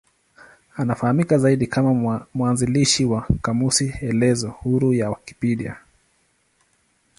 Anafahamika zaidi kama mwanzilishi wa kamusi elezo huru ya Wikipedia.